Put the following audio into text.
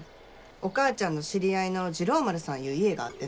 お母ちゃんの知り合いの治郎丸さんいう家があってな